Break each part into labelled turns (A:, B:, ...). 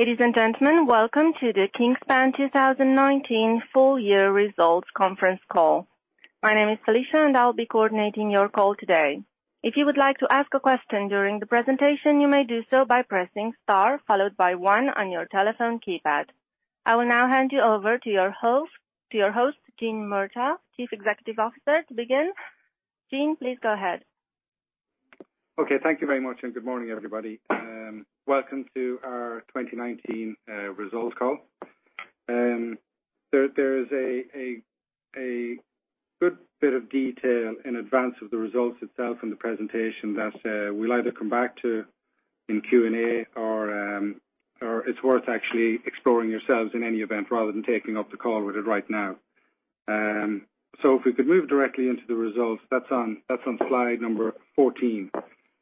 A: Ladies and gentlemen, welcome to the Kingspan 2019 full year results conference call. My name is Felicia, and I'll be coordinating your call today. If you would like to ask a question during the presentation, you may do so by pressing star followed by one on your telephone keypad. I will now hand you over to your host, Gene Murtagh, Chief Executive Officer, to begin. Gene, please go ahead.
B: Okay. Thank you very much, and good morning, everybody. Welcome to our 2019 results call. There is a good bit of detail in advance of the results itself in the presentation that we'll either come back to in Q&A or it's worth actually exploring yourselves in any event, rather than taking up the call with it right now. If we could move directly into the results, that's on slide number 14,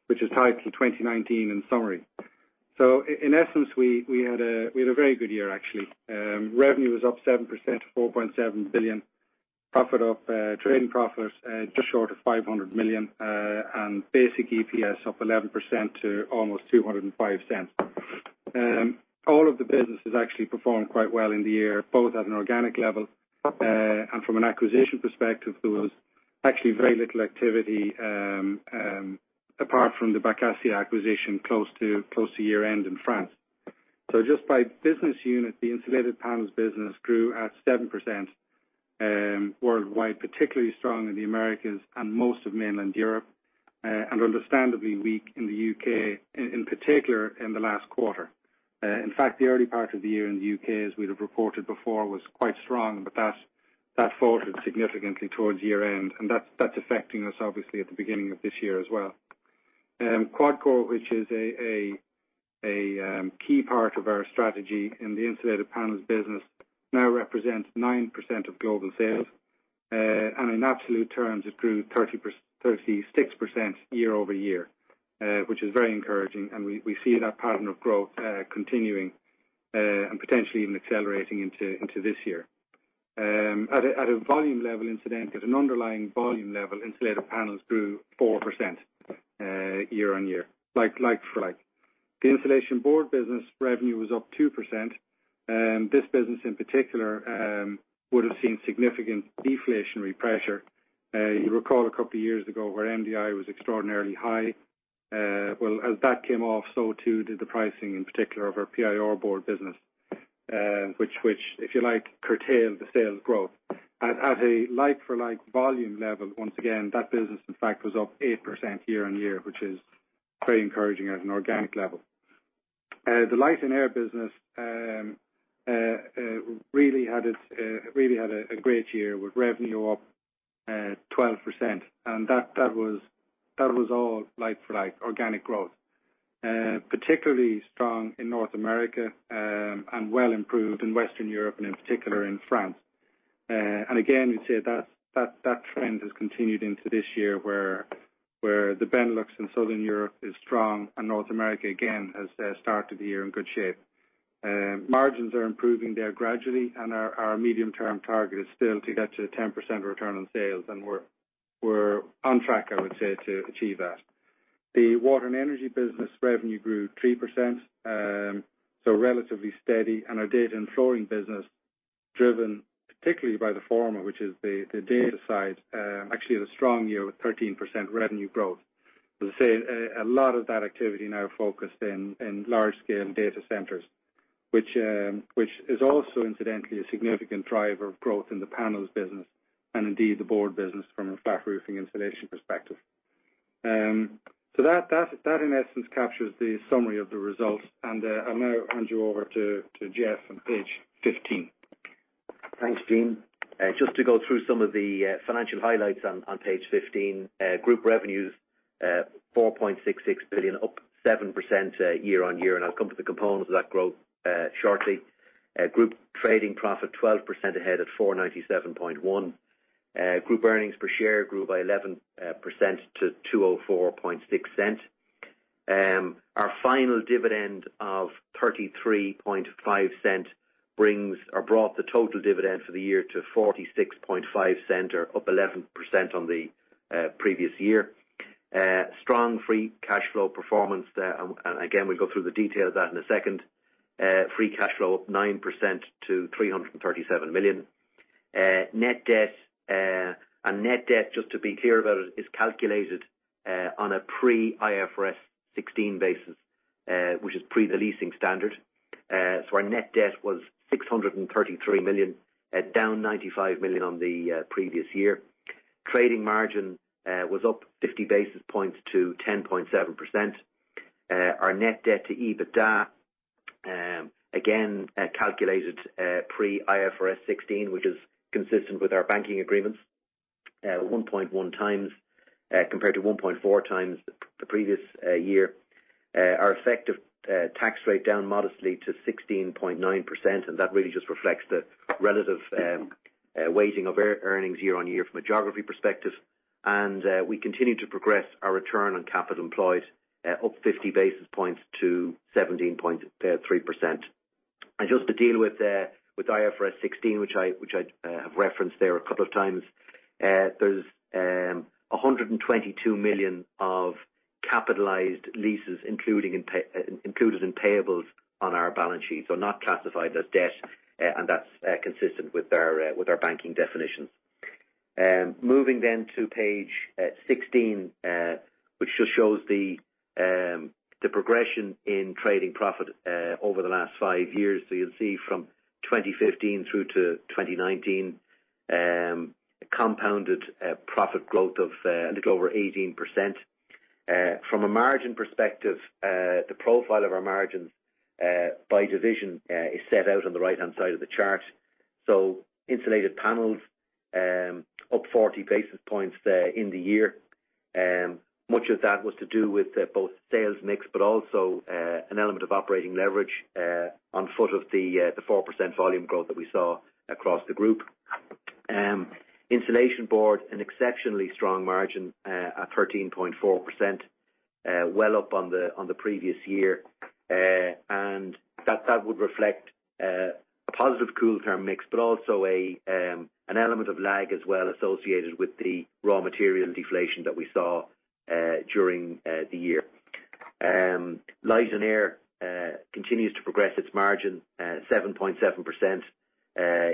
B: which is titled 2019 in summary. In essence, we had a very good year, actually. Revenue was up 7%, to 4.7 billion. Profit up, trading profit just short of 500 million, and basic EPS up 11% to almost 2.05. All of the businesses actually performed quite well in the year, both at an organic level. From an acquisition perspective, there was actually very little activity apart from the Bacacier acquisition close to year-end in France. Just by business unit, the insulated panels business grew at 7% worldwide, particularly strong in the Americas and most of mainland Europe, and understandably weak in the U.K., in particular in the last quarter. In fact, the early part of the year in the U.K., as we'd have reported before, was quite strong, but that faltered significantly towards year-end, and that's affecting us obviously at the beginning of this year as well. QuadCore, which is a key part of our strategy in the insulated panels business, now represents 9% of global sales. In absolute terms, it grew 36% year-over-year, which is very encouraging, and we see that pattern of growth continuing, and potentially even accelerating into this year. At a volume level incidentally, at an underlying volume level, insulated panels grew 4% year-on-year, like for like. The insulation board business revenue was up 2%, and this business in particular would have seen significant deflationary pressure. You recall a couple of years ago where MDI was extraordinarily high. Well, as that came off, so too did the pricing in particular of our PIR board business, which if you like, curtailed the sales growth. At a like for like volume level, once again, that business in fact was up 8% year on year, which is very encouraging at an organic level. The light and air business really had a great year with revenue up 12%, and that was all like for like organic growth. Particularly strong in North America, and well improved in Western Europe and in particular in France. Again, we'd say that trend has continued into this year where the Benelux and Southern Europe is strong, and North America again has started the year in good shape. Margins are improving there gradually, our medium-term target is still to get to the 10% return on sales, and we're on track, I would say, to achieve that. The Water & Energy business revenue grew 3%, relatively steady, our Data & Flooring business driven particularly by the former, which is the data side, actually had a strong year with 13% revenue growth. As I say, a lot of that activity now focused in large scale data centers, which is also incidentally a significant driver of growth in the panels business and indeed the board business from a flat roofing insulation perspective. That in essence captures the summary of the results, and I'll now hand you over to Geoff on page 15.
C: Thanks, Gene. Just to go through some of the financial highlights on page 15. Group revenues, 4.66 billion, up 7% year-on-year. I'll come to the components of that growth shortly. Group trading profit 12% ahead at 497.1. Group earnings per share grew by 11% to 2.046. Our final dividend of 0.335 brought the total dividend for the year to 0.465 or up 11% on the previous year. Strong free cash flow performance there. Again, we'll go through the detail of that in a second. Free cash flow up 9% to 337 million. Net debt, just to be clear about it, is calculated on a pre IFRS 16 basis, which is pre the leasing standard. Our net debt was 633 million, down 95 million on the previous year. Trading margin was up 50 basis points to 10.7%. Our net debt to EBITDA, again, calculated pre IFRS 16, which is consistent with our banking agreements, 1.1x compared to 1.4x the previous year. Our effective tax rate down modestly to 16.9%, that really just reflects the relative weighting of our earnings year-on-year from a geography perspective. We continue to progress our return on capital employed up 50 basis points to 17.3%. Just to deal with IFRS 16, which I have referenced there a couple of times. There's 122 million of capitalized leases included in payables on our balance sheet, so not classified as debt, that's consistent with our banking definitions. Moving to page 16, which just shows the progression in trading profit over the last five years. You'll see from 2015 through to 2019, a compounded profit growth of a little over 18%. From a margin perspective, the profile of our margins by division is set out on the right-hand side of the chart. Insulated Panels, up 40 basis points there in the year. Much of that was to do with both sales mix, but also an element of operating leverage on foot of the 4% volume growth that we saw across the group. Insulation Boards, an exceptionally strong margin at 13.4%, well up on the previous year. That would reflect a positive Kooltherm mix, but also an element of lag as well associated with the raw material deflation that we saw during the year. Light & Air continues to progress its margin, 7.7%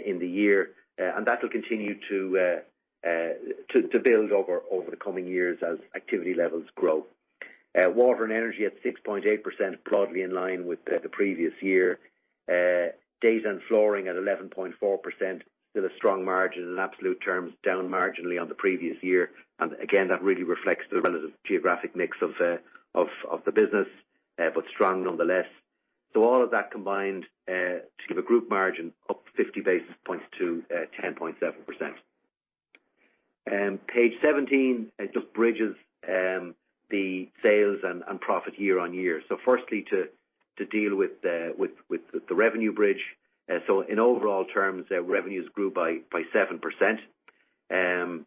C: in the year. That will continue to build over the coming years as activity levels grow. Water & Energy at 6.8%, broadly in line with the previous year. Data & Flooring at 11.4%, still a strong margin in absolute terms, down marginally on the previous year. Again, that really reflects the relative geographic mix of the business, but strong nonetheless. All of that combined to give a group margin up 50 basis points to 10.7%. Page 17 just bridges the sales and profit year-on-year. Firstly, to deal with the revenue bridge. In overall terms, revenues grew by 7%. In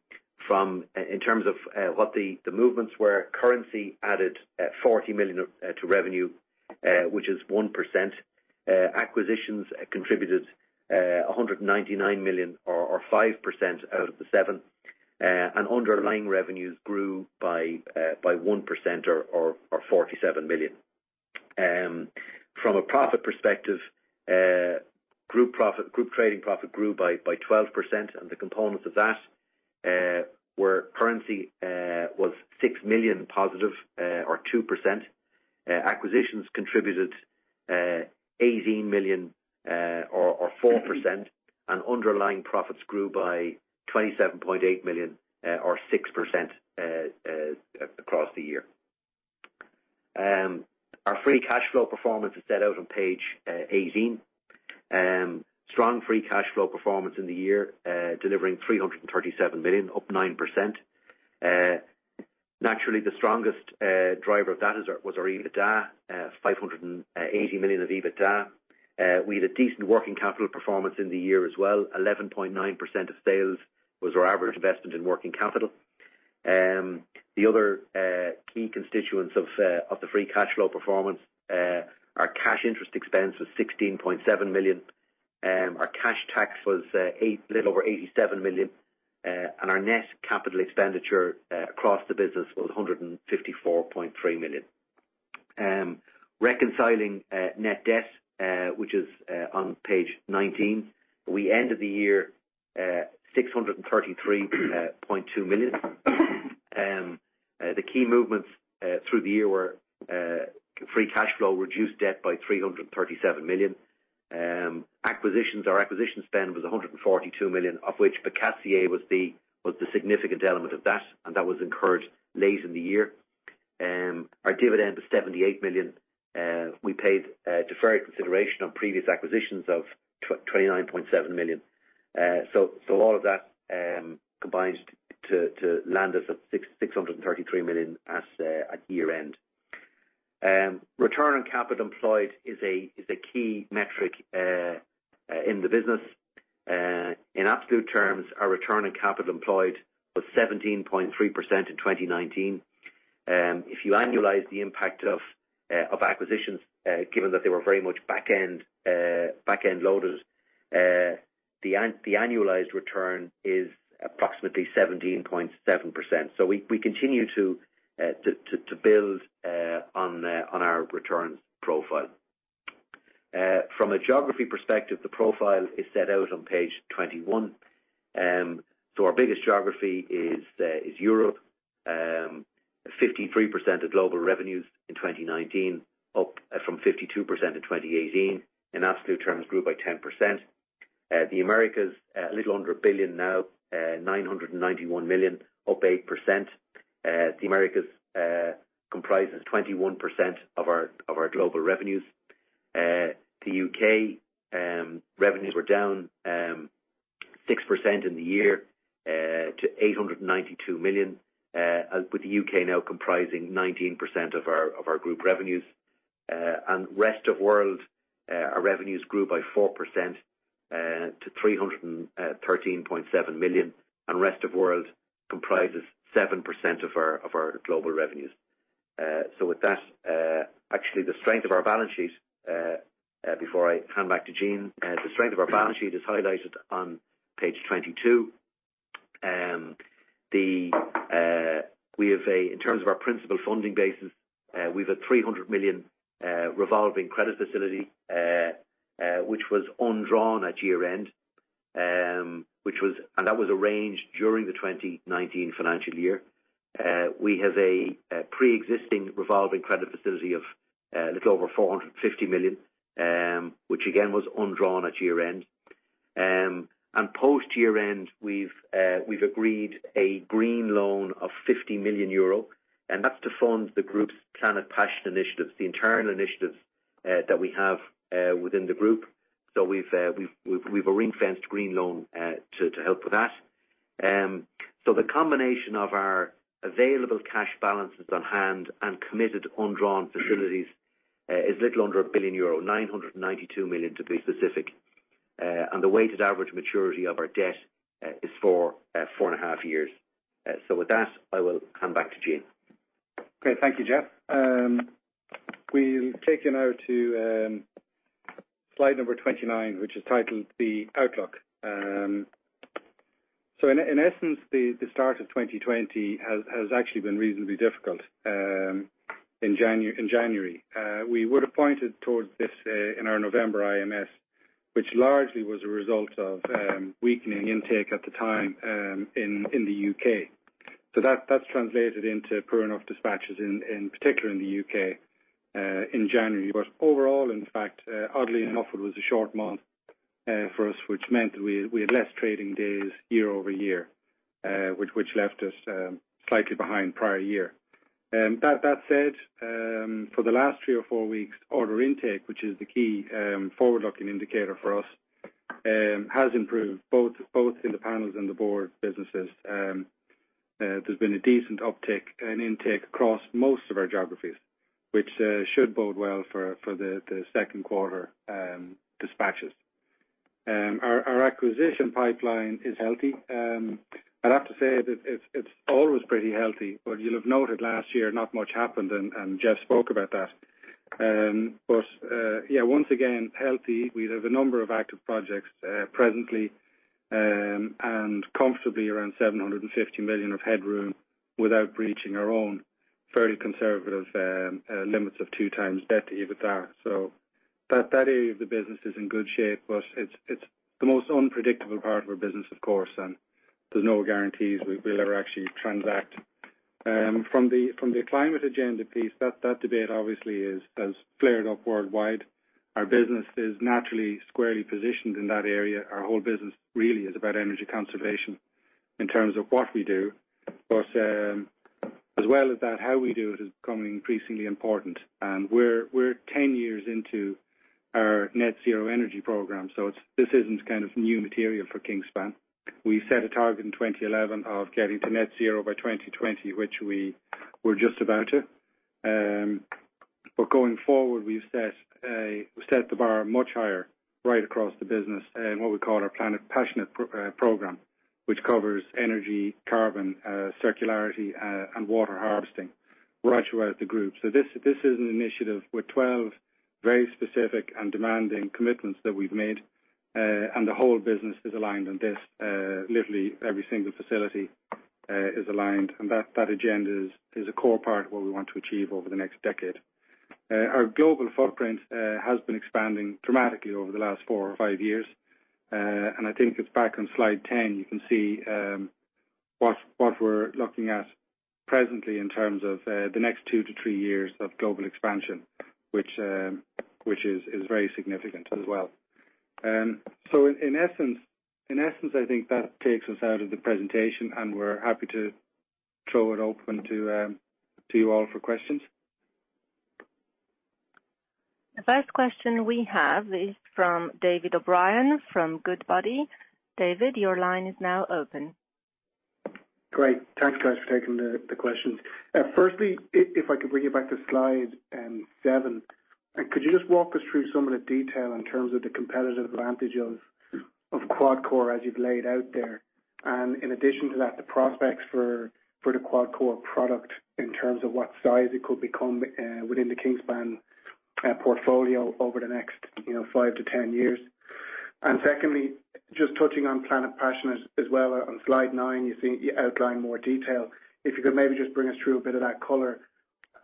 C: terms of what the movements were, currency added 40 million to revenue, which is 1%. Acquisitions contributed 199 million or 5% out of the seven. Underlying revenues grew by 1% or 47 million. From a profit perspective, group trading profit grew by 12%, and the components of that were currency was 6 million positive or 2%. Acquisitions contributed 18 million or 4%. Underlying profits grew by 27.8 million or 6% across the year. Our free cash flow performance is set out on page 18. Strong free cash flow performance in the year, delivering 337 million, up 9%. Naturally, the strongest driver of that was our EBITDA, 580 million of EBITDA. We had a decent working capital performance in the year as well. 11.9% of sales was our average investment in working capital. The other key constituents of the free cash flow performance, our cash interest expense was 16.7 million. Our cash tax was a little over 87 million. Our net capital expenditure across the business was 154.3 million. Reconciling net debt, which is on page 19. We ended the year at 633.2 million. The key movements through the year were free cash flow reduced debt by 337 million. Acquisitions, our acquisition spend was 142 million, of which Bacacier was the significant element of that. That was incurred late in the year. Our dividend was 78 million. We paid deferred consideration on previous acquisitions of 29.7 million. All of that combined to land us at 633 million at year-end. Return on capital employed is a key metric in the business. In absolute terms, our return on capital employed was 17.3% in 2019. If you annualize the impact of acquisitions, given that they were very much back-end loaded, the annualized return is approximately 17.7%. We continue to build on our returns profile. From a geography perspective, the profile is set out on page 21. Our biggest geography is Europe, 53% of global revenues in 2019, up from 52% in 2018. In absolute terms, grew by 10%. The Americas, a little under 1 billion now, 991 million, up 8%. The Americas comprises 21% of our global revenues. The U.K. revenues were down 6% in the year to 892 million, with the U.K. now comprising 19% of our group revenues. Rest of world, our revenues grew by 4% to 313.7 million, rest of world comprises 7% of our global revenues. With that, actually the strength of our balance sheet, before I hand back to Gene, the strength of our balance sheet is highlighted on page 22. In terms of our principal funding basis, we've a 300 million revolving credit facility, which was undrawn at year-end, and that was arranged during the 2019 financial year. We have a pre-existing revolving credit facility of a little over 450 million, which again, was undrawn at year-end. Post year-end, we've agreed a green loan of 50 million euro, and that's to fund the group's Planet Passionate initiatives, the internal initiatives that we have within the group. We've a ring-fenced green loan to help with that. The combination of our available cash balances on hand and committed undrawn facilities is a little under 1 billion euro, 992 million to be specific. The weighted average maturity of our debt is four and a half years. With that, I will hand back to Gene.
B: Great. Thank you, Geoff. We'll take you now to slide number 29, which is titled The Outlook. In essence, the start of 2020 has actually been reasonably difficult in January. We would have pointed towards this in our November IMS, which largely was a result of weakening intake at the time in the U.K. That's translated into poor enough dispatches, in particular in the U.K. in January. Overall, in fact, oddly enough, it was a short month for us, which meant we had less trading days year-over-year, which left us slightly behind prior year. That said, for the last three or four weeks, order intake, which is the key forward-looking indicator for us has improved both in the panels and the board businesses. There's been a decent uptick in intake across most of our geographies, which should bode well for the second quarter dispatches. Our acquisition pipeline is healthy. I'd have to say that it's always pretty healthy. You'll have noted last year, not much happened. Geoff spoke about that. Once again, healthy. We have a number of active projects presently and comfortably around 750 million of headroom without breaching our own fairly conservative limits of 2x debt to EBITDA. That area of the business is in good shape. It's the most unpredictable part of our business, of course. There's no guarantees we'll ever actually transact. From the climate agenda piece, that debate obviously has flared up worldwide. Our business is naturally squarely positioned in that area. Our whole business really is about energy conservation in terms of what we do. As well as that, how we do it is becoming increasingly important. We're 10 years into our net zero energy program. This isn't kind of new material for Kingspan. We set a target in 2011 of getting to net zero by 2020, which we were just about to. Going forward, we've set the bar much higher right across the business in what we call our Planet Passionate program, which covers energy, carbon, circularity, and water harvesting right throughout the group. This is an initiative with 12 very specific and demanding commitments that we've made, and the whole business is aligned on this. Literally every single facility is aligned, and that agenda is a core part of what we want to achieve over the next decade. Our global footprint has been expanding dramatically over the last four or five years, and I think it's back on slide 10. You can see what we're looking at presently in terms of the next two to three years of global expansion, which is very significant as well. In essence, I think that takes us out of the presentation, and we're happy to throw it open to you all for questions.
A: The first question we have is from David O'Brien from Goodbody. David, your line is now open.
D: Great. Thanks, guys for taking the questions. Firstly, if I could bring you back to slide seven, could you just walk us through some of the detail in terms of the competitive advantage of QuadCore as you've laid out there? In addition to that, the prospects for the QuadCore product in terms of what size it could become within the Kingspan portfolio over the next 5-10 years. Secondly, just touching on Planet Passionate as well. On slide nine, you outline more detail. If you could maybe just bring us through a bit of that color.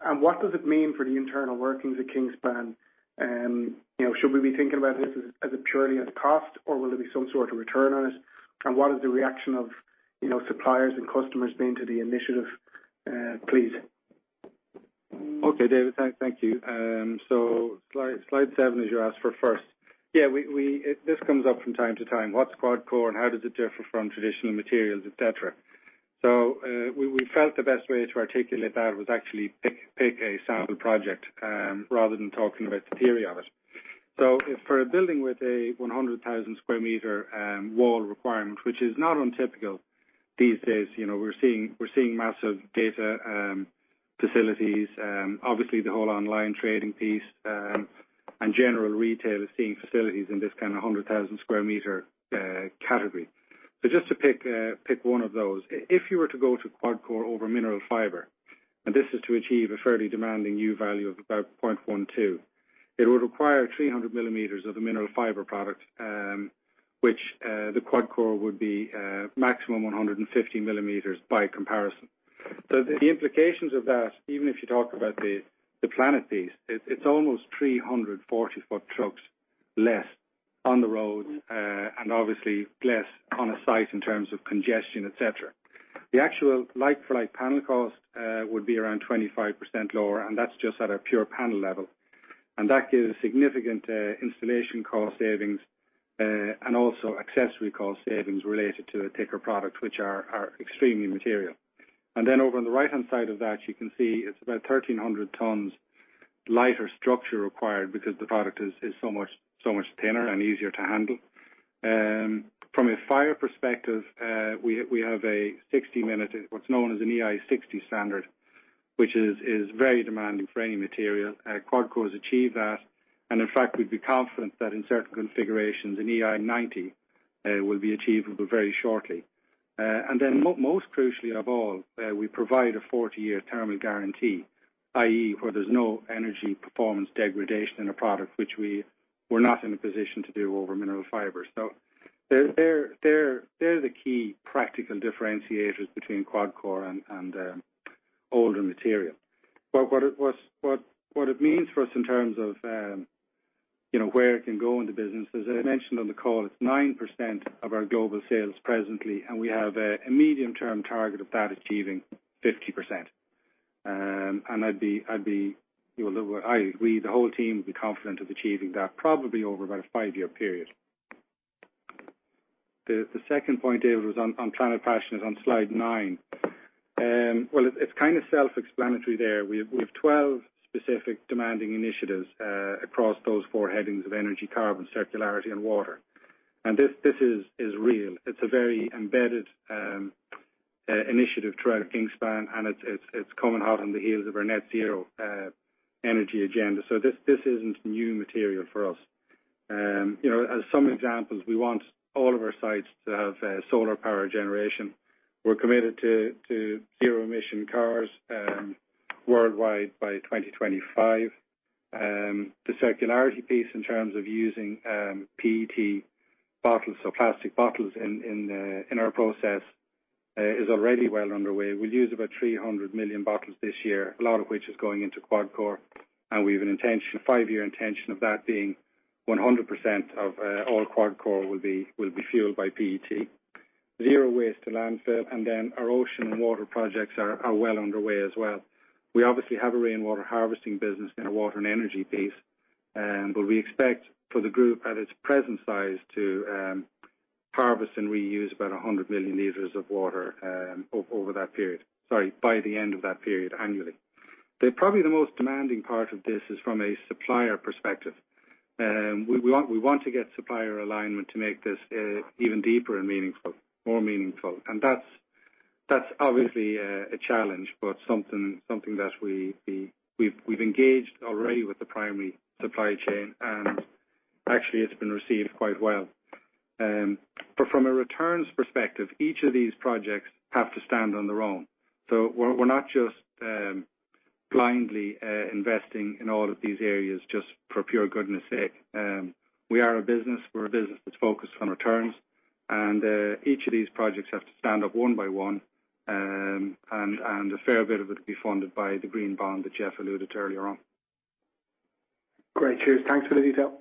D: What does it mean for the internal workings of Kingspan? Should we be thinking about this as purely a cost, or will there be some sort of return on it? What has the reaction of suppliers and customers been to the initiative, please?
B: Okay, David, thank you. Slide seven, as you asked for first. This comes up from time to time. What's QuadCore and how does it differ from traditional materials, et cetera? We felt the best way to articulate that was actually pick a sample project rather than talking about the theory of it. For a building with a 100,000 sq m wall requirement, which is not untypical these days. We're seeing massive data facilities, obviously the whole online trading piece. General retail is seeing facilities in this kind of 100,000 sq m category. Just to pick one of those, if you were to go to QuadCore over mineral fiber, and this is to achieve a fairly demanding U-value of about 0.12, it would require 300 mm of the mineral fiber product, which the QuadCore would be maximum 150 mm by comparison. The implications of that, even if you talk about the Planet piece, it's almost 340-foot trucks less on the road, and obviously less on a site in terms of congestion, etc. The actual like-for-like panel cost would be around 25% lower, and that's just at a pure panel level. That gives significant installation cost savings, and also accessory cost savings related to the thicker products, which are extremely material. Over on the right-hand side of that, you can see it's about 1,300 tons lighter structure required because the product is so much thinner and easier to handle. From a fire perspective, we have a 60-minute, what's known as an EI60 standard, which is very demanding for any material. QuadCore has achieved that, and in fact, we'd be confident that in certain configurations, an EI90 will be achievable very shortly. Most crucially of all, we provide a 40-year thermal guarantee, i.e., where there's no energy performance degradation in a product, which we were not in a position to do over mineral fiber. They're the key practical differentiators between QuadCore and older material. What it means for us in terms of where it can go in the business, as I mentioned on the call, it's 9% of our global sales presently, and we have a medium-term target of that achieving 50%. We, the whole team, will be confident of achieving that probably over about a five-year period. The second point, David, was on Planet Passionate is on slide nine. Well, it's kind of self-explanatory there. We've 12 specific demanding initiatives across those four headings of energy, carbon, circularity, and water. This is real. It's a very embedded initiative throughout Kingspan, and it's coming hot on the heels of our net zero energy agenda. This isn't new material for us. As some examples, we want all of our sites to have solar power generation. We're committed to zero-emission cars worldwide by 2025. The circularity piece in terms of using PET bottles or plastic bottles in our process is already well underway. We'll use about 300 million bottles this year, a lot of which is going into QuadCore, and we have a five-year intention of that being 100% of all QuadCore will be fueled by PET. Zero waste to landfill, our ocean and water projects are well underway as well. We obviously have a rainwater harvesting business in our water and energy piece. We expect for the group at its present size to harvest and reuse about 100 million liters of water over that period. Sorry, by the end of that period annually. Probably the most demanding part of this is from a supplier perspective. We want to get supplier alignment to make this even deeper and more meaningful. That's obviously a challenge, but something that we've engaged already with the primary supply chain, and actually it's been received quite well. From a returns perspective, each of these projects have to stand on their own. We're not just blindly investing in all of these areas just for pure goodness sake. We are a business. We're a business that's focused on returns, and each of these projects have to stand up one by one, and a fair bit of it will be funded by the green bond that Geoff alluded to earlier on.
D: Great. Cheers. Thanks for the detail.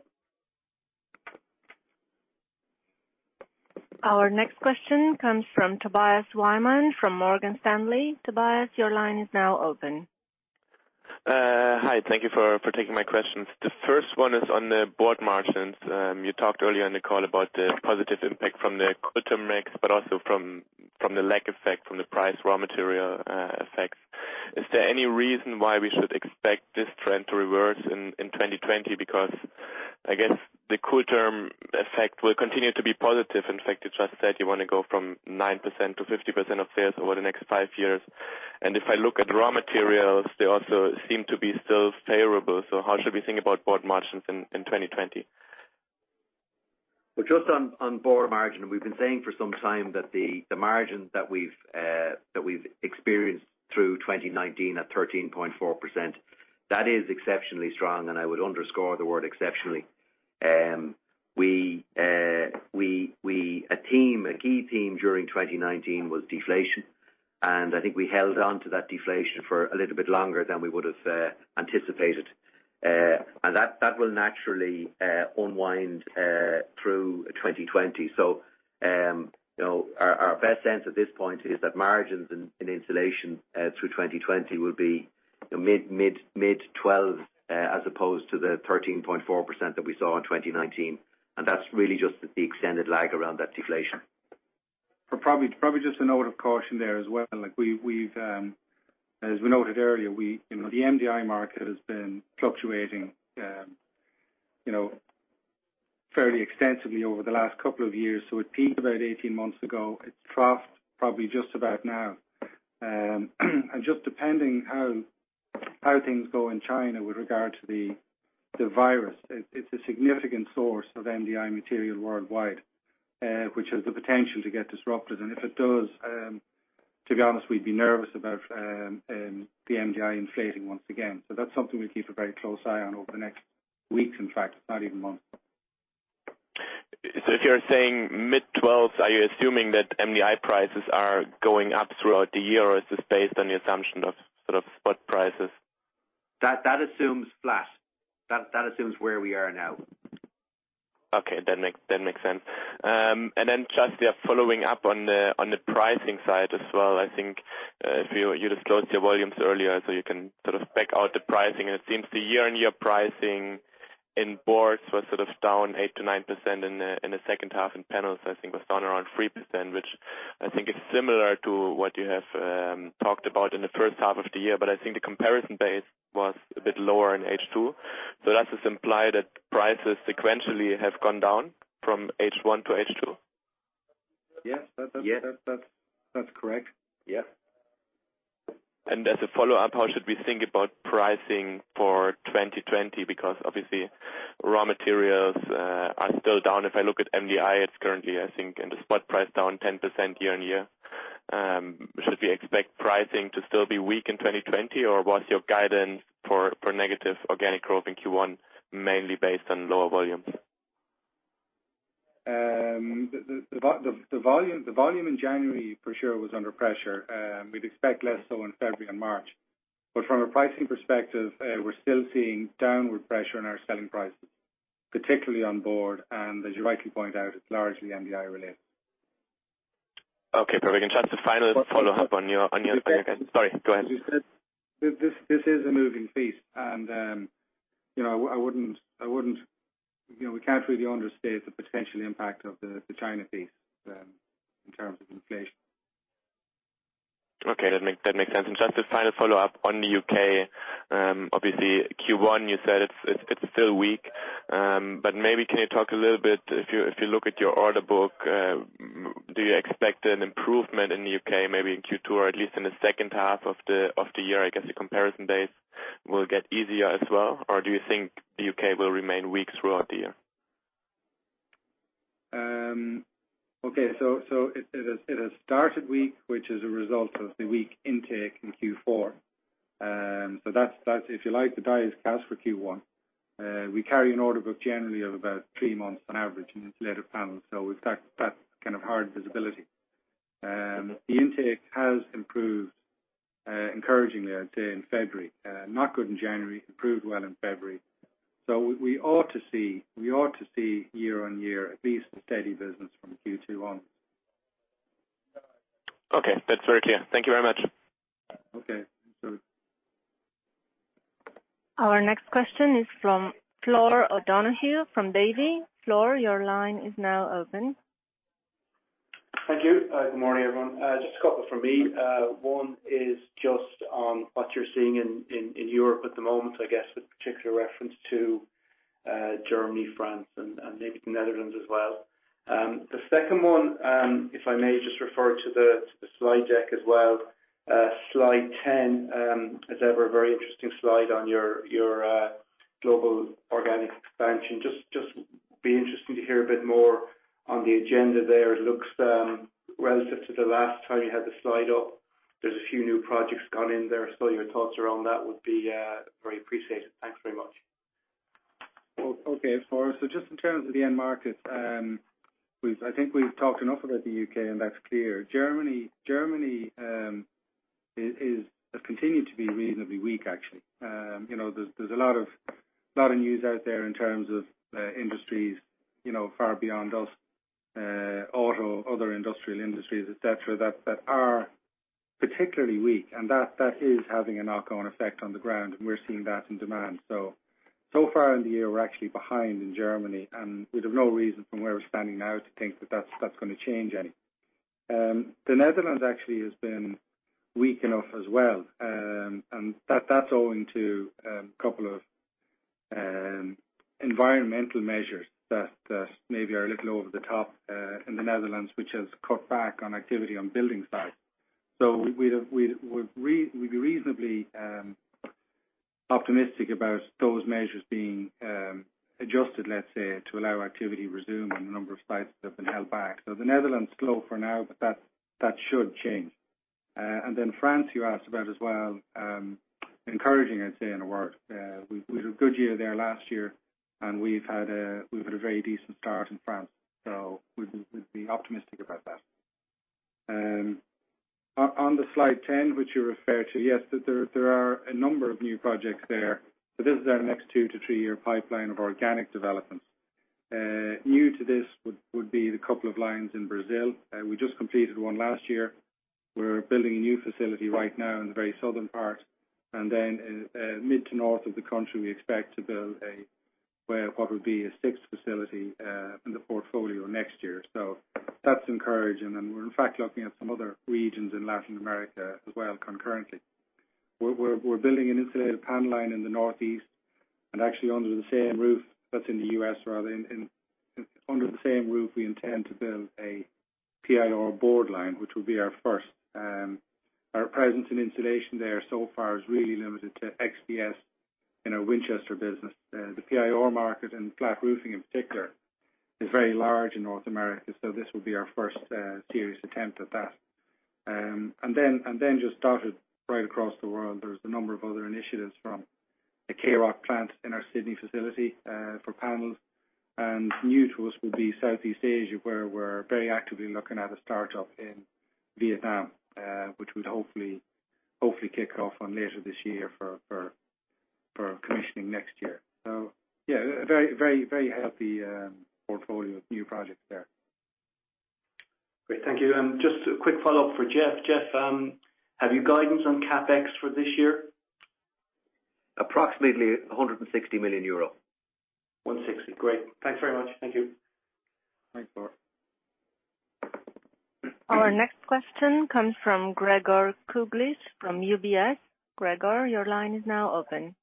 A: Our next question comes from Tobias Weimann from Morgan Stanley. Tobias, your line is now open.
E: Hi, thank you for taking my questions. The first one is on the board margins. You talked earlier on the call about the positive impact from the Kooltherm mix, but also from the lag effect from the price raw material effects. Is there any reason why we should expect this trend to reverse in 2020? I guess the Kooltherm effect will continue to be positive. In fact, you just said you want to go from 9%-50% of sales over the next five years. If I look at raw materials, they also seem to be still favorable. How should we think about board margins in 2020?
B: Well, just on board margin, we've been saying for some time that the margins that we've experienced through 2019 at 13.4%, that is exceptionally strong, and I would underscore the word exceptionally. A key theme during 2019 was deflation. I think we held on to that deflation for a little bit longer than we would have anticipated. That will naturally unwind through 2020. Our best sense at this point is that margins in insulation through 2020 will be mid-12% as opposed to the 13.4% that we saw in 2019. That's really just the extended lag around that deflation. Probably just a note of caution there as well. As we noted earlier, the MDI market has been fluctuating fairly extensively over the last couple of years. It peaked about 18 months ago. It troughs probably just about now. Just depending how things go in China with regard to the virus, it's a significant source of MDI material worldwide, which has the potential to get disrupted. If it does, to be honest, we'd be nervous about the MDI inflating once again. That's something we keep a very close eye on over the next weeks, in fact, not even months.
E: If you're saying mid-12%, are you assuming that MDI prices are going up throughout the year? Or is this based on the assumption of spot prices?
B: That assumes flat. That assumes where we are now.
E: Okay. That makes sense. Just, yeah, following up on the pricing side as well, I think, you disclosed your volumes earlier, so you can sort of spec out the pricing, and it seems the year-on-year pricing in boards was down 8%-9% in the second half in panels, I think was down around 3%, which I think is similar to what you have talked about in the first half of the year. I think the comparison base was a bit lower in H2. Does this imply that prices sequentially have gone down from H1 to H2?
B: Yes.
E: Yes.
B: That's correct.
E: Yes. As a follow-up, how should we think about pricing for 2020? Obviously raw materials are still down. If I look at MDI, it's currently, I think, in the spot price, down 10% year-on-year. Should we expect pricing to still be weak in 2020? Was your guidance for negative organic growth in Q1 mainly based on lower volumes?
B: The volume in January for sure was under pressure. We'd expect less so in February and March. From a pricing perspective, we're still seeing downward pressure in our selling prices, particularly on board, and as you rightly point out, it's largely MDI related.
E: Okay, perfect. Just a final follow-up on your-
B: As we said-
E: Sorry, go ahead.
B: As we said, this is a moving feast, and we can't really understate the potential impact of the China piece in terms of inflation.
E: Okay, that makes sense. Just a final follow-up on the U.K. Obviously Q1, you said it's still weak. Maybe can you talk a little bit, if you look at your order book, do you expect an improvement in the U.K., maybe in Q2 or at least in the second half of the year? I guess the comparison base will get easier as well? Do you think the U.K. will remain weak throughout the year?
B: It has started weak, which is a result of the weak intake in Q4. That's, if you like, the dice cast for Q1. We carry an order book generally of about three months on average in insulated panels, so we've that kind of hard visibility. The intake has improved encouragingly, I'd say, in February. Not good in January, improved well in February. We ought to see year-on-year at least a steady business from Q2 on.
E: Okay. That's very clear. Thank you very much.
B: Okay. Sure.
A: Our next question is from Flor O'Donoghue from Davy. Flor, your line is now open.
F: Thank you. Good morning, everyone. Just a couple from me. One is just on what you're seeing in Europe at the moment, I guess with particular reference to Germany, France, and maybe the Netherlands as well. The second one, if I may just refer to the slide deck as well. Slide 10, as ever, a very interesting slide on your global organic expansion. Just be interesting to hear a bit more on the agenda there. It looks relative to the last time you had the slide up. There's a few new projects gone in there. Your thoughts around that would be very appreciated. Thanks very much.
B: Okay, Flor. Just in terms of the end markets, I think we've talked enough about the U.K., and that's clear. Germany has continued to be reasonably weak, actually. There's a lot of news out there in terms of industries far beyond us, auto, other industrial industries, et cetera, that are particularly weak, and that is having a knock-on effect on the ground, and we're seeing that in demand. So far in the year, we're actually behind in Germany, and we'd have no reason from where we're standing now to think that that's going to change any. The Netherlands actually has been weak enough as well, and that's owing to a couple of environmental measures that maybe are a little over the top in the Netherlands, which has cut back on activity on building sites. We'd be reasonably optimistic about those measures being adjusted, let's say, to allow activity resume on a number of sites that have been held back. The Netherlands is slow for now, but that should change. France, you asked about as well, encouraging, I'd say, in a word. We had a good year there last year, and we've had a very decent start in France. We'd be optimistic about that. On the slide 10, which you refer to, yes, there are a number of new projects there, but this is our next two- to three-year pipeline of organic developments. New to this would be the couple of lines in Brazil. We just completed one last year. We're building a new facility right now in the very southern part. Then in mid to north of the country, we expect to build what would be a sixth facility in the portfolio next year. That's encouraging. We're in fact looking at some other regions in Latin America as well concurrently. We're building an insulated panel line in the Northeast and actually under the same roof, that's in the U.S. rather. Under the same roof, we intend to build a PIR board line, which will be our first. Our presence in insulation there so far is really limited to XPS in our Winchester business. The PIR market and flat roofing in particular is very large in North America, so this will be our first serious attempt at that. Then just dotted right across the world, there's a number of other initiatives from the K-Roc plant in our Sydney facility, for panels. New to us will be Southeast Asia, where we're very actively looking at a start-up in Vietnam, which would hopefully kick off later this year for commissioning next year. Yeah, a very healthy portfolio of new projects there.
F: Great, thank you. Just a quick follow-up for Geoff. Geoff, have you guidance on CapEx for this year?
C: Approximately 160 million euro.
F: Great. Thanks very much. Thank you.
B: Thanks, Flor.
A: Our next question comes from Gregor Kuglitsch from UBS. Gregor, your line is now open.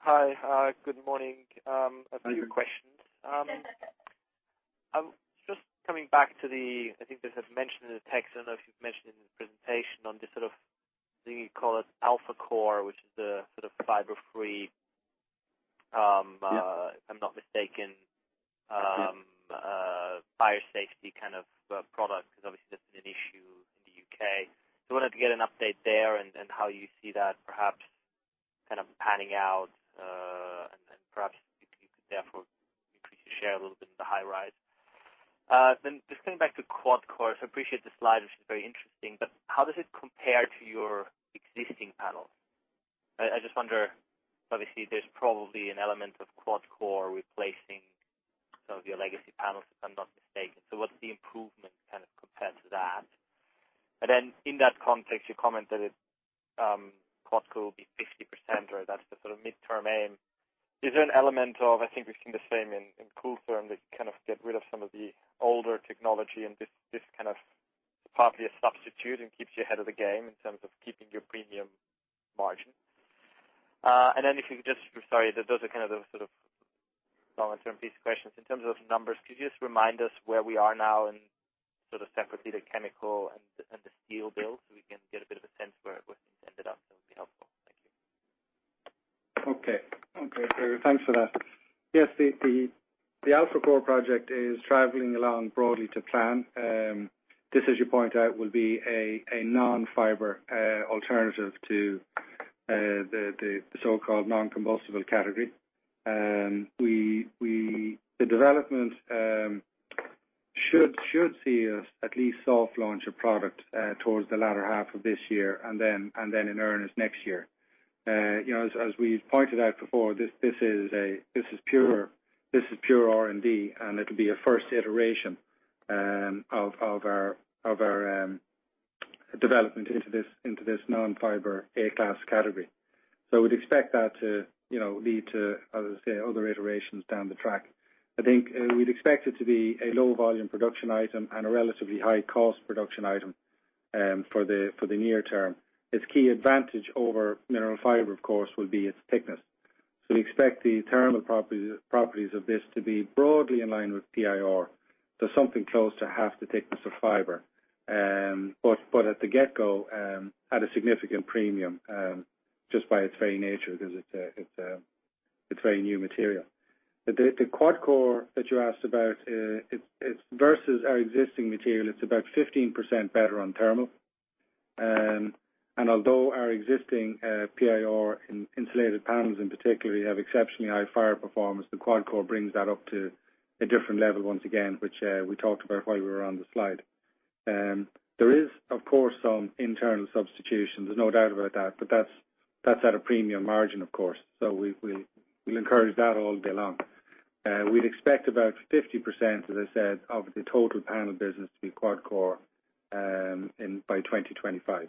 G: Hi. Good morning. A few questions.
B: Hi, Gregor.
G: Just coming back to the, I think this was mentioned in the text, I don't know if you've mentioned it in the presentation, on this sort of thing you call it AlphaCore, which is the sort of fiber-free-
B: Yeah
G: if I'm not mistaken.
B: That's it.
G: fire safety kind of product, because obviously that's been an issue in the U.K. Wanted to get an update there and how you see that perhaps kind of panning out, and perhaps you could therefore increase your share a little bit in the high-rise. Just coming back to QuadCore. Appreciate the slide, which is very interesting, but how does it compare to your existing panels? I just wonder, obviously there's probably an element of QuadCore replacing some of your legacy panels, if I'm not mistaken. What's the improvement kind of compared to that? In that context, you commented QuadCore will be 50%, or that's the sort of midterm aim. Is there an element of, I think we've seen the same in Kooltherm, that you kind of get rid of some of the older technology and this kind of partly a substitute and keeps you ahead of the game in terms of keeping your premium margin. If you could just, sorry, those are kind of the sort of longer-term piece questions. In terms of numbers, could you just remind us where we are now and sort of separately the chemical and the steel build so we can get a bit of a sense where things ended up? That would be helpful. Thank you.
B: Okay, Gregor, thanks for that. Yes, the AlphaCore project is traveling along broadly to plan. This, as you point out, will be a non-fiber alternative to the so-called non-combustible category. The development should see us at least soft launch a product towards the latter half of this year, and then in earnest next year. As we've pointed out before, this is pure R&D, and it'll be a first iteration of our development into this non-fiber Class A category. We'd expect that to lead to, as I say, other iterations down the track. I think we'd expect it to be a low volume production item and a relatively high-cost production item for the near term. Its key advantage over mineral fiber, of course, will be its thickness. We expect the thermal properties of this to be broadly in line with PIR, so something close to half the thickness of fiber. At the get-go, at a significant premium, just by its very nature because it's very new material. The QuadCore that you asked about, versus our existing material, it's about 15% better on thermal. Although our existing PIR insulated panels in particular have exceptionally high fire performance, the QuadCore brings that up to a different level once again, which we talked about while we were on the slide. There is, of course, some internal substitution. There's no doubt about that, but that's at a premium margin, of course. We'll encourage that all day long. We'd expect about 50%, as I said, of the total panel business to be QuadCore by 2025.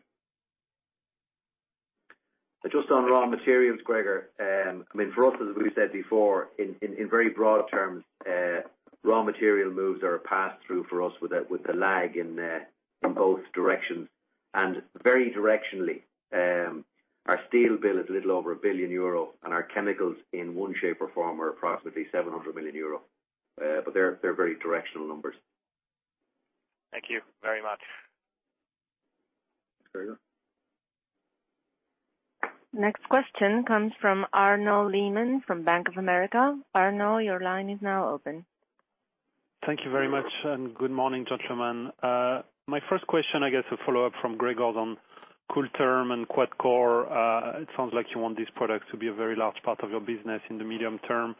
C: Just on raw materials, Gregor. For us, as we said before, in very broad terms, raw material moves are a pass through for us with a lag in both directions. Very directionally, our steel bill is a little over 1 billion euro, and our chemicals in one shape or form are approximately 700 million euro, but they're very directional numbers.
G: Thank you very much.
B: Very well.
A: Next question comes from Arnaud Lehmann from Bank of America. Arnaud, your line is now open.
H: Thank you very much. Good morning, gentlemen. My first question, I guess a follow-up from Gregor on Kooltherm and QuadCore. It sounds like you want these products to be a very large part of your business in the medium term.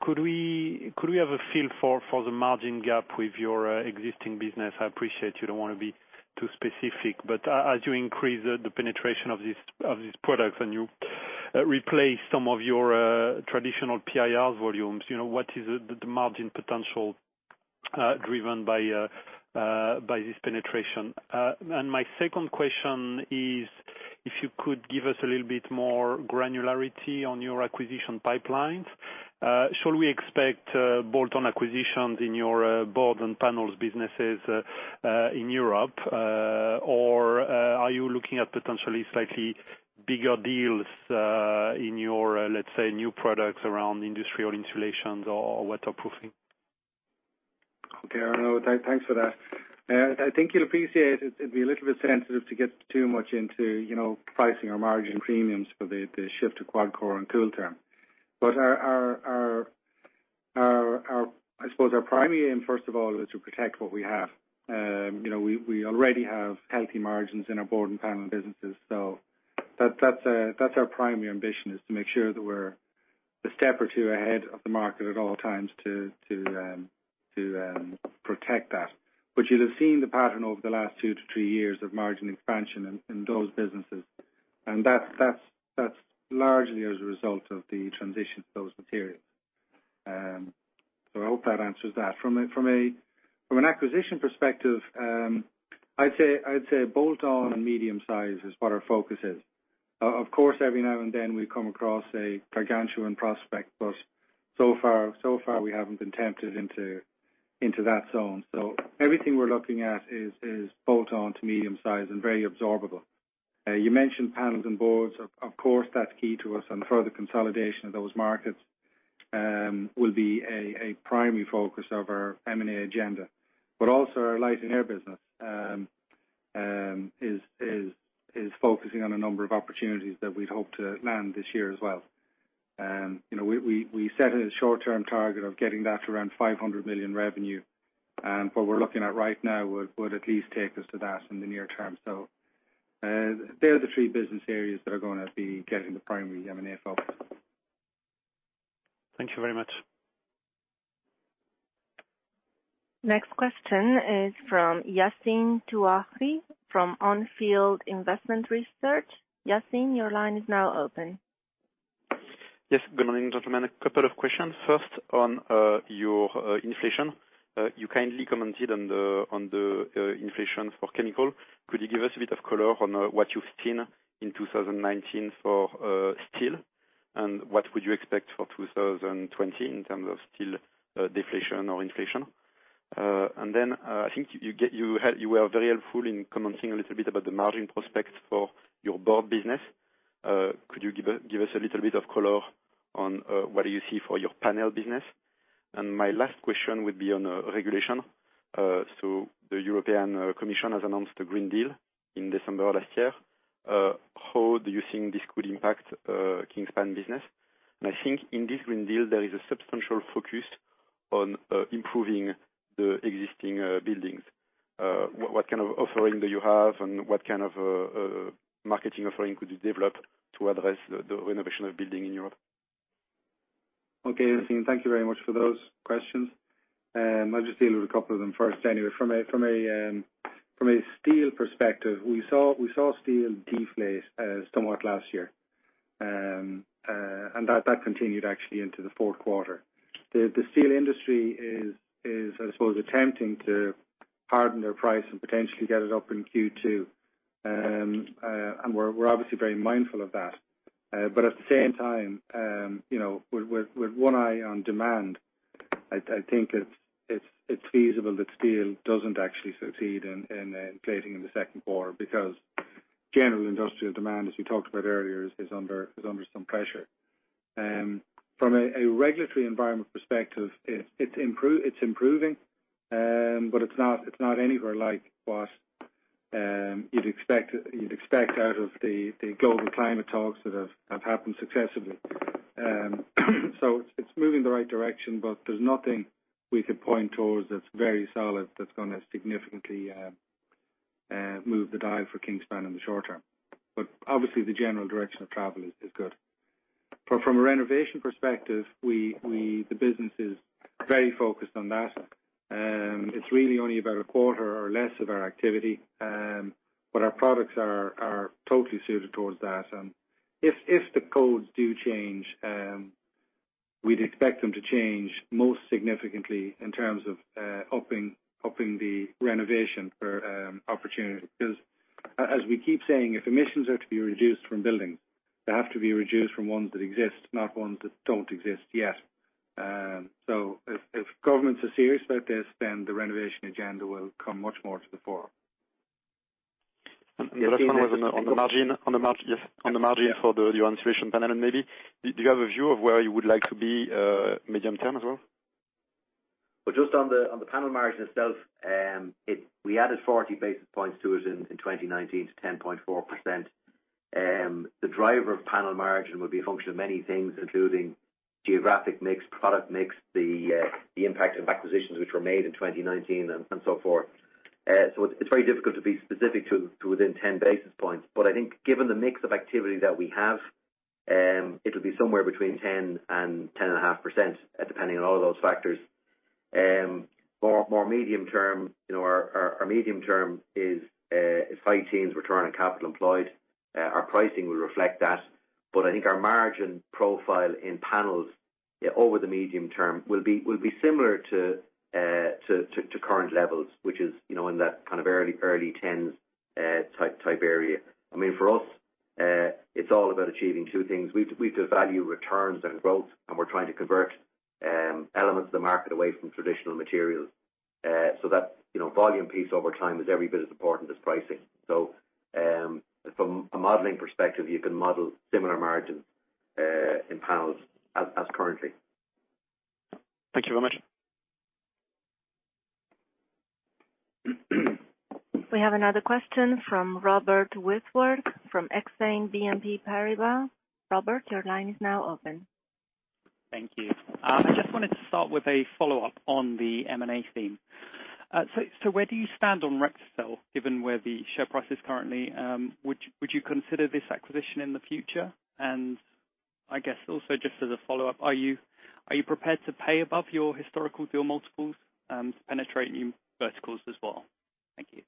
H: Could we have a feel for the margin gap with your existing business? I appreciate you don't want to be too specific, but as you increase the penetration of these products and you replace some of your traditional PIR volumes, what is the margin potential driven by this penetration? My second question is, if you could give us a little bit more granularity on your acquisition pipelines. Shall we expect bolt-on acquisitions in your board and panels businesses in Europe? Are you looking at potentially slightly bigger deals in your, let's say, new products around industrial insulations or waterproofing?
B: Okay, Arnaud. Thanks for that. I think you'll appreciate it'd be a little bit sensitive to get too much into pricing or margin premiums for the shift to QuadCore and Kooltherm. I suppose our primary aim, first of all, is to protect what we have. We already have healthy margins in our board and panel businesses. That's our primary ambition, is to make sure that we're a step or two ahead of the market at all times to protect that. You'd have seen the pattern over the last two to three years of margin expansion in those businesses, and that's largely as a result of the transition to those materials. I hope that answers that. From an acquisition perspective, I'd say bolt-on and medium-size is what our focus is. Of course, every now and then we come across a gargantuan prospect, so far we haven't been tempted into that zone. Everything we're looking at is bolt-on to medium-size and very absorbable. You mentioned panels and boards, of course, that's key to us, further consolidation of those markets will be a primary focus of our M&A agenda. Also our Light & Air business is focusing on a number of opportunities that we'd hope to land this year as well. We set it a short-term target of getting that to around 500 million revenue. What we're looking at right now would at least take us to that in the near term. They are the three business areas that are going to be getting the primary M&A focus.
H: Thank you very much.
A: Next question is from Yassine Touahri from On Field Investment Research. Yassine, your line is now open.
I: Yes. Good morning, gentlemen. A couple of questions. First, on your inflation, you kindly commented on the inflation for chemical. Could you give us a bit of color on what you've seen in 2019 for steel, and what would you expect for 2020 in terms of steel deflation or inflation? I think you were very helpful in commenting a little bit about the margin prospects for your board business. Could you give us a little bit of color on what you see for your panel business? My last question would be on regulation. The European Commission has announced a Green Deal in December of last year. How do you think this could impact Kingspan business? I think in this Green Deal, there is a substantial focus on improving the existing buildings. What kind of offering do you have, and what kind of marketing offering could you develop to address the renovation of building in Europe?
B: Okay, Yassine, thank you very much for those questions. I'll just deal with a couple of them first. From a steel perspective, we saw steel deflate somewhat last year. That continued actually into the fourth quarter. The steel industry is, I suppose, attempting to harden their price and potentially get it up in Q2. We're obviously very mindful of that. At the same time, with one eye on demand, I think it's feasible that steel doesn't actually succeed in inflating in the second quarter because general industrial demand, as we talked about earlier, is under some pressure. From a regulatory environment perspective, it's improving, it's not anywhere like what you'd expect out of the global climate talks that have happened successively. It's moving in the right direction, but there's nothing we could point towards that's very solid that's going to significantly move the dial for Kingspan in the short term. Obviously the general direction of travel is good. From a renovation perspective, the business is very focused on that. It's really only about a quarter or less of our activity. Our products are totally suited towards that, and if the codes do change, we'd expect them to change most significantly in terms of upping the renovation for opportunities. Because as we keep saying, if emissions are to be reduced from buildings, they have to be reduced from ones that exist, not ones that don't exist yet. If governments are serious about this, then the renovation agenda will come much more to the fore.
I: The last one was on the margin. Yes. On the margin for the insulation panel, and maybe do you have a view of where you would like to be medium term as well?
C: Well, just on the panel margin itself, we added 40 basis points to it in 2019 to 10.4%. The driver of panel margin would be a function of many things, including geographic mix, product mix, the impact of acquisitions which were made in 2019, and so forth. It's very difficult to be specific to within 10 basis points. I think given the mix of activity that we have, it'll be somewhere between 10% and 10.5%, depending on all of those factors. More medium term, our medium term is 15% return on capital employed. Our pricing will reflect that, but I think our margin profile in panels over the medium term will be similar to current levels, which is in that kind of early tens type area. I mean, for us, it's all about achieving two things. We value returns and growth. We're trying to convert elements of the market away from traditional materials. That volume piece over time is every bit as important as pricing. From a modeling perspective, you can model similar margins in pounds as currently.
I: Thank you very much.
A: We have another question from Robert Whitworth from Exane BNP Paribas. Robert, your line is now open.
J: Thank you. I just wanted to start with a follow-up on the M&A theme. Where do you stand on Recticel, given where the share price is currently? Would you consider this acquisition in the future? I guess also just as a follow-up, are you prepared to pay above your historical deal multiples to penetrate new verticals as well? Thank you.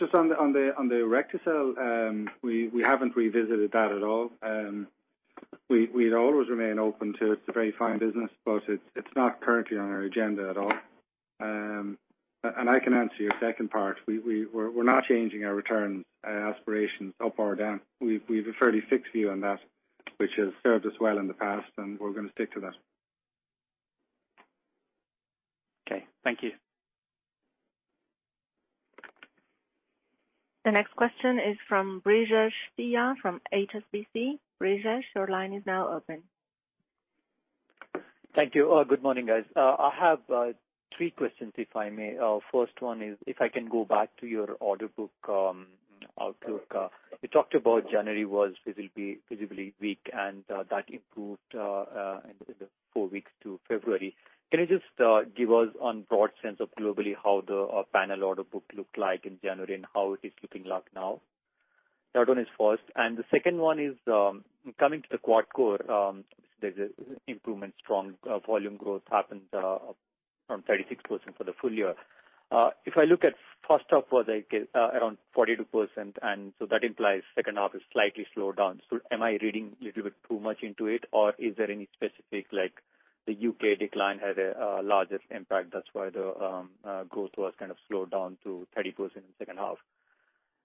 B: Just on the Recticel, we haven't revisited that at all. We'd always remain open to, it's a very fine business, but it's not currently on our agenda at all. I can answer your second part. We're not changing our returns aspirations up or down. We've a fairly fixed view on that, which has served us well in the past, and we're going to stick to that.
J: Okay. Thank you.
A: The next question is from Brijesh Siya from HSBC. Brijesh, your line is now open.
K: Thank you. Good morning, guys. I have three questions, if I may. First one is, if I can go back to your order book outlook. You talked about January was visibly weak and that improved in the four weeks to February. Can you just give us on broad sense of globally how the panel order book looked like in January and how it is looking like now? That one is first. The second one is coming to the QuadCore, there's an improvement, strong volume growth happened from 36% for the full year. If I look at first half was around 42%, that implies second half is slightly slowed down. Am I reading a little bit too much into it, or is there any specific, like the U.K. decline had a largest impact that's why the growth was kind of slowed down to 30% in the second half?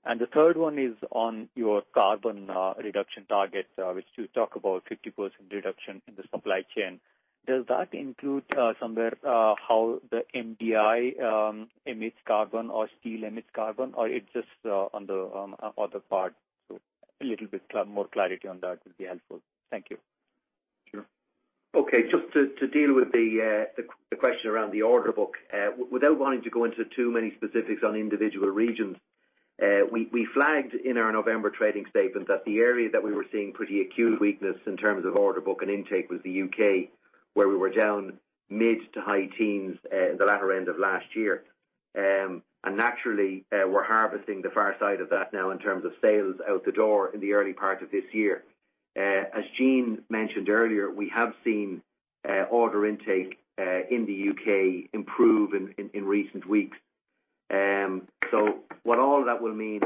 K: The third one is on your carbon reduction target, which you talk about 50% reduction in the supply chain. Does that include somewhere how the MDI emits carbon or steel emits carbon, or it's just on the other part? A little bit more clarity on that would be helpful. Thank you.
C: Sure. Okay. Just to deal with the question around the order book. Without wanting to go into too many specifics on individual regions, we flagged in our November trading statement that the area that we were seeing pretty acute weakness in terms of order book and intake was the U.K., where we were down mid to high teens in the latter end of last year. Naturally, we're harvesting the far side of that now in terms of sales out the door in the early part of this year. As Gene mentioned earlier, we have seen order intake in the U.K. improve in recent weeks. What all that will mean,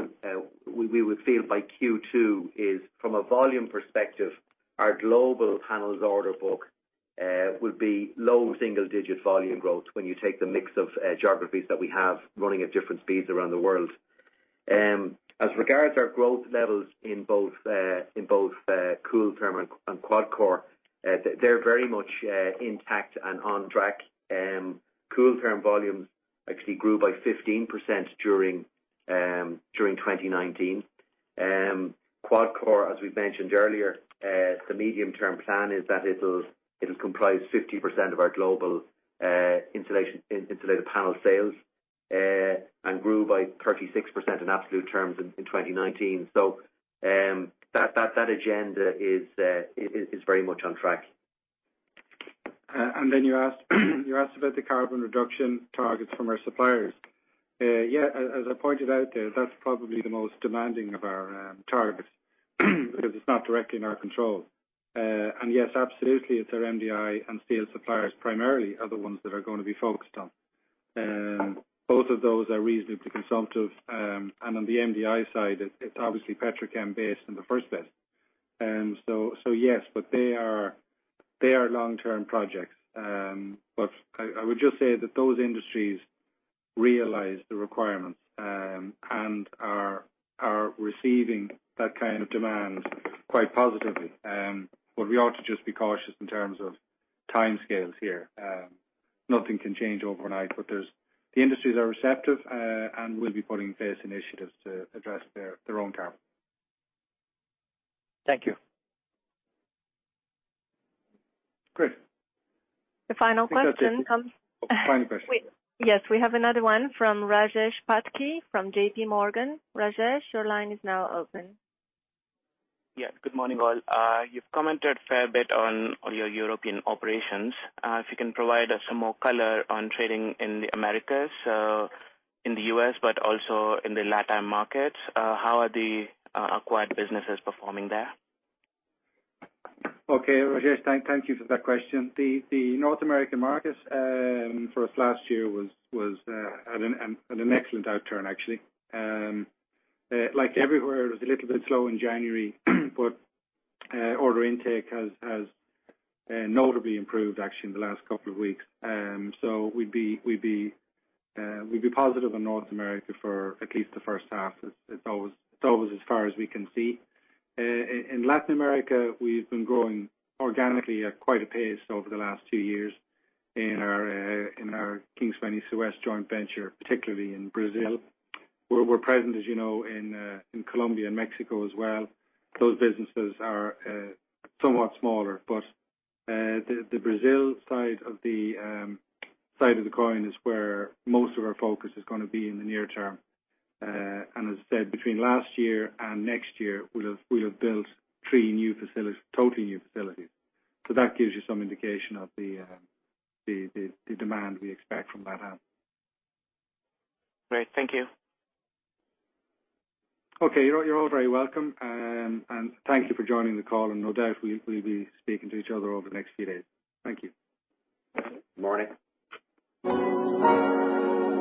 C: we would feel by Q2 is from a volume perspective, our global panels order book will be low single-digit volume growth when you take the mix of geographies that we have running at different speeds around the world. As regards our growth levels in both Kooltherm and QuadCore, they're very much intact and on track. Kooltherm volumes actually grew by 15% during 2019. QuadCore, as we've mentioned earlier, the medium-term plan is that it'll comprise 50% of our global insulated panel sales, and grew by 36% in absolute terms in 2019. That agenda is very much on track.
B: You asked about the carbon reduction targets from our suppliers. Yeah, as I pointed out there, that's probably the most demanding of our targets because it's not directly in our control. Yes, absolutely it's our MDI and steel suppliers primarily are the ones that are going to be focused on. Both of those are reasonably consultative. On the MDI side, it's obviously petrochem based in the first place. Yes, they are long-term projects. I would just say that those industries realize the requirements, and are receiving that kind of demand quite positively. We ought to just be cautious in terms of timescales here. Nothing can change overnight, but the industries are receptive, and we'll be putting in place initiatives to address their own carbon.
K: Thank you.
B: Great.
A: The final question comes.
B: Final question.
A: Yes. We have another one from Rajesh Patki from JPMorgan. Rajesh, your line is now open.
L: Yeah. Good morning, all. You've commented fair bit on your European operations. If you can provide us some more color on trading in the Americas, in the U.S., but also in the LATAM markets. How are the acquired businesses performing there?
B: Okay, Rajesh, thank you for that question. The North American markets for us last year was at an excellent outturn, actually. Like everywhere, it was a little bit slow in January, but order intake has notably improved actually in the last couple of weeks. We'd be positive on North America for at least the first half. It's always as far as we can see. In Latin America, we've been growing organically at quite a pace over the last two years in our Kingspan Isoeste joint venture, particularly in Brazil. We're present, as you know, in Colombia and Mexico as well. Those businesses are somewhat smaller, but the Brazil side of the coin is where most of our focus is going to be in the near term. As I said, between last year and next year, we'll have built three totally new facilities. That gives you some indication of the demand we expect from that out.
L: Great. Thank you.
B: Okay. You're all very welcome, and thank you for joining the call, and no doubt we'll be speaking to each other over the next few days. Thank you.
C: Morning.